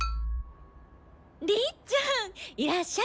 りっちゃんいらっしゃい。